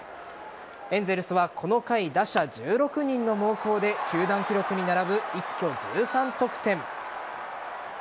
エンゼルスは、この回打者１６人の猛攻で球団記録に並ぶ一挙１３得点。